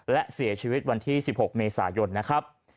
และเสียชีวิตวันที่๑๖เมษายนนะครับ